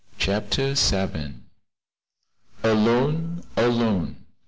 CHAPTER VII. "Alone! alone!